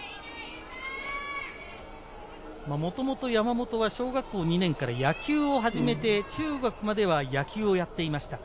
もともと山本は小学校２年から野球を始めて中学までは野球をしていました。